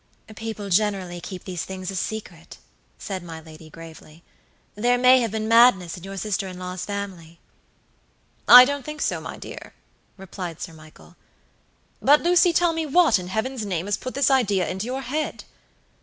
"People generally keep these things a secret," said my lady, gravely. "There may have been madness in your sister in law's family." "I don't think so, my dear," replied Sir Michael. "But, Lucy, tell me what, in Heaven's name, has put this idea into your head."